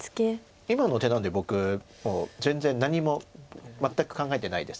今の手なんて僕もう全然何も全く考えてないです